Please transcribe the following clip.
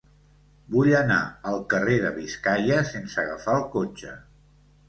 Vull anar al carrer de Biscaia sense agafar el cotxe.